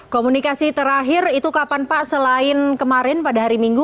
komunikasi terakhir itu kapan pak selain kemarin pada hari minggu